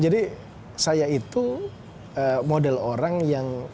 jadi saya itu model orang yang